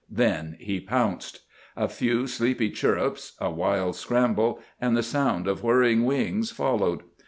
Then he pounced. A few sleepy chirrups, a wild scramble, and the sound of whirring wings followed.